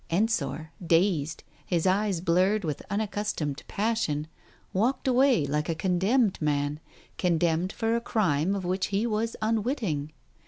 Ensor, dazed, his eyes blurred with unaccustomed pas sion, walked away like a condemned man, condemned for a crime of which he was unwitting.